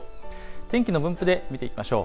天気の分布で見ていきましょう。